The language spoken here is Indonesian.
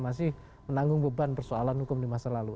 masih menanggung beban persoalan hukum di masa lalu